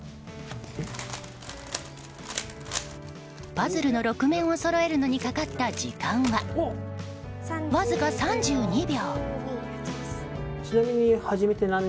パズルの６面をそろえるのにかかった時間はわずか３２秒。